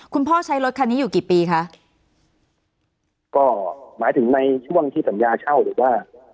พ่อใช้รถคันนี้อยู่กี่ปีคะก็หมายถึงในช่วงที่สัญญาเช่าหรือว่า